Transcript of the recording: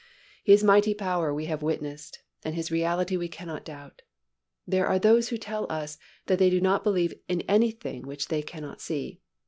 His mighty power we have witnessed and His reality we cannot doubt. There are those who tell us that they do not believe in anything which they cannot see.